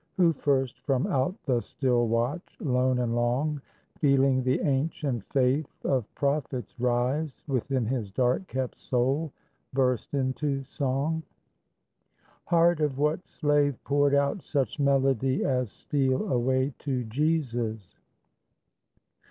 Who first from out the still watch, lone and long, Feeling the ancient faith of prophets rise Within his dark kept soul, burst into song? Heart of what slave poured out such melody As "Steal away to Jesus"?